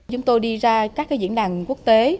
chúng tôi đi ra các diễn đàn quốc tế